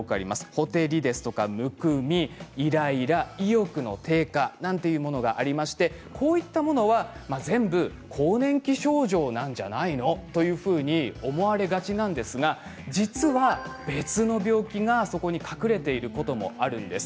ほてりや、むくみイライラ、意欲の低下なんていうものがありましてこういったものは、全部更年期症状なんじゃないのというふうに思われがちなんですが実は別の病気がそこに隠れていることがあるんです。